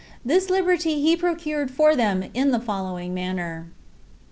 This liberty he procured for them in the following manner; 2.